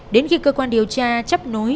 đến khi cơ quan điều tra chấp nối